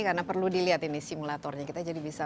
karena perlu dilihat ini simulatornya kita jadi bisa